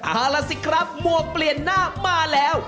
เอาล่ะสิครับหมวกเปลี่ยนหน้ามาแล้ว